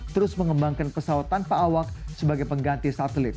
terus mengembangkan pesawat tanpa awak sebagai pengganti satelit